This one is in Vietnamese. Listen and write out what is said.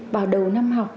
vào đầu năm học